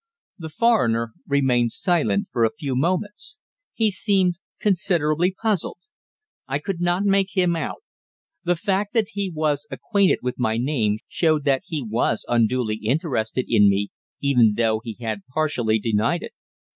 The foreigner remained silent for a few moments. He seemed considerably puzzled. I could not make him out. The fact that he was acquainted with my name showed that he was unduly interested in me, even though he had partially denied it.